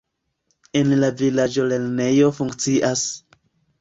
En la vilaĝo lernejo funkcias.